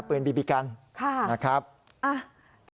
ปืนบีบีกันนะครับนะครับนะครับนะครับ